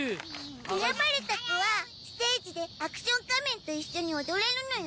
選ばれた子はステージでアクション仮面と一緒に踊れるのよ。